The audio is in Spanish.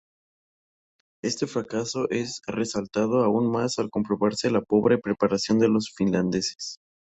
Este fracaso es resaltado aún más al comprobarse la pobre preparación de los finlandeses.